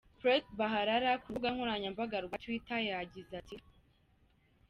Preet Bharara ku rubuga nkoranyambaga rwa Twitter yagize ati:.